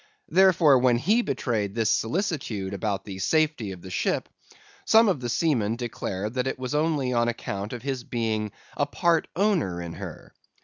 Therefore when he betrayed this solicitude about the safety of the ship, some of the seamen declared that it was only on account of his being a part owner in her.